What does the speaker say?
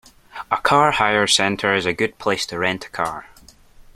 A car hire centre is a good place to rent a car